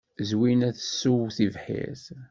Zwina tessew tibḥirt.